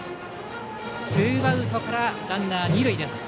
ツーアウトからランナー二塁です。